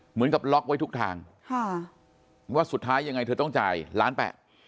เหมือนกับล็อกไว้ทุกทางค่ะว่าสุดท้ายยังไงเธอต้องจ่ายล้านแปด